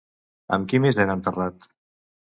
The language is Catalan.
Amb qui més era enterrat?